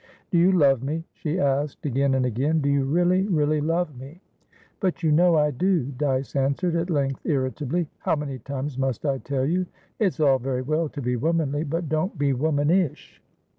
"Do you love me?" she asked, again and again. "Do you really, really love me?" "But you know I do," Dyce answered, at length irritably. "How many times must I tell you? It's all very well to be womanly, but don't be womanish."